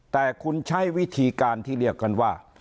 แต่คุณใช้วิธีการที่เรียกกันว่า